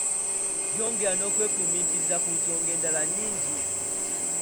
Yongera n'okwefumiitiriza ku nsonga endala nnyingi.